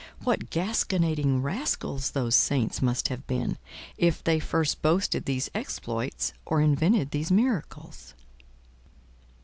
What gasconading rascals those saints must have been, if they first boasted these exploits or invented these miracles.